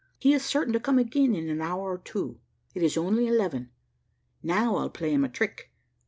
He is certain to come again in an hour or two. It is only eleven. Now, I'll play him a trick."